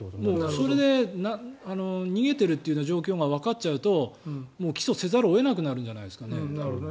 それで逃げているという状況がわかっちゃうと起訴せざるを得なくなるんじゃないですかね。